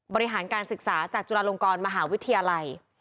บริหารการศึกษาจากจุฬาลงกรมหาวิทยาลัย